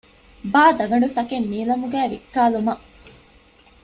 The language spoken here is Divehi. ބާ ދަގަނޑުތަކެއް ނީލަމުގައި ވިއްކާލުމަށް